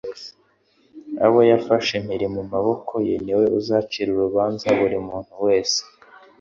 abo yafashe mpiri mu maboko ye, ni we uzacira urubanza buri muntu wese